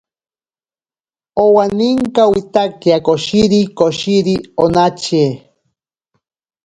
Owaninkawitakia koshiri koshiri onatye.